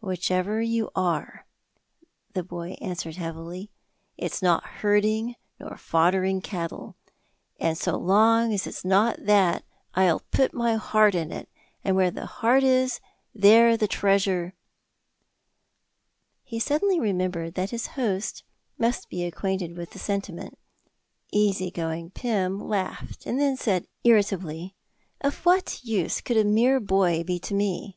"Whichever you are," the boy answered heavily, "it's not herding nor foddering cattle, and so long as it's not that, I'll put my heart in it, and where the heart is, there the treasure " He suddenly remembered that his host must be acquainted with the sentiment. Easy going Pym laughed, then said irritably, "Of what use could a mere boy be to me?"